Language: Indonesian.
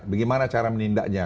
bagaimana cara menindaknya